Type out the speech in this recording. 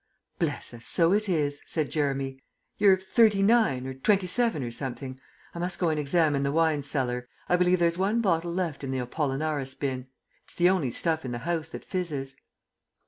"Bless us, so it is," said Jeremy. "You're thirty nine or twenty seven or something. I must go and examine the wine cellar. I believe there's one bottle left in the Apollinaris bin. It's the only stuff in the house that fizzes."